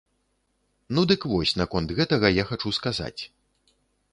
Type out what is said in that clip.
Ну дык вось наконт гэтага я хачу сказаць.